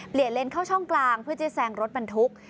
เลนเข้าช่องกลางเพื่อจะแซงรถบรรทุก